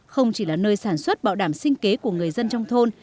không chỉ là nơi sản xuất bảo đảm sinh kế của người dân trong thôn